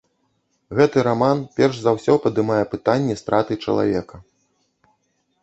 Гэты раман перш за ўсё падымае пытанні страты чалавека.